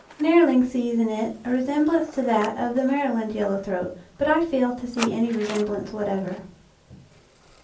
Nehrling sees in it a resem blance to that of the Maryland yellow throat, but I fail to see any resemblance whatever.